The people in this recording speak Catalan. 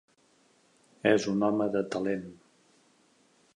És un home de talent.